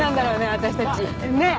私たちねえ？